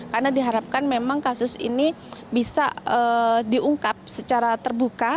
karena diharapkan memang kasus ini bisa diungkap secara terbuka